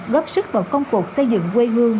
góp sức vào công cuộc xây dựng quê hương